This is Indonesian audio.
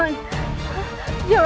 jangan bunuh ayahku